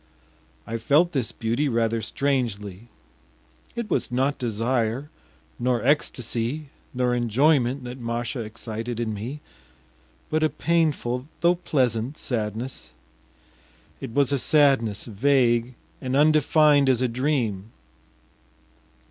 I felt this beauty rather strangely. It was not desire, nor ecstacy, nor enjoyment that Masha excited in me, but a painful though pleasant sadness. It was a sadness vague and undefined as a dream.